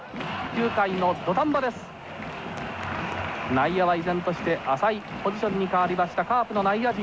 内野は依然として浅いポジションに変わりましたカープの内野陣。